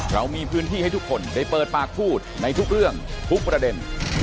เรามีพื้นที่ให้ทุกคนได้เปิดปากพูดในทุกเรื่องทุกประเด็น